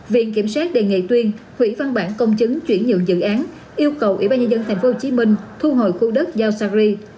viện kiểm soát đề nghị tuyên hủy văn bản công chứng chuyển nhượng dự án yêu cầu ubnd tp hcm thu hồi khu đất giao sacri